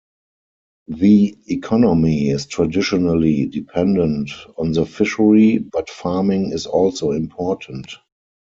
The economy is traditionally dependent on the fishery but farming is also important.